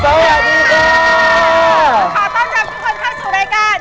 ขอต้อนรับทุกคนเข้าสู่รายการ